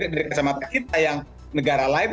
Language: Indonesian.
dari kacamata kita yang negara lain